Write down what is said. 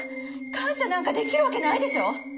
感謝なんか出来るわけないでしょ！